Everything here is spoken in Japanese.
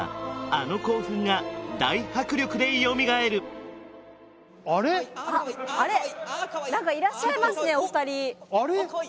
あの興奮が大迫力でよみがえるあかわいいあかわいい何かいらっしゃいますねお二人あれ？